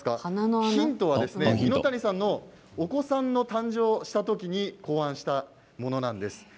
ヒントは蓑谷さんがお子さんが誕生した時に考案したものなんです。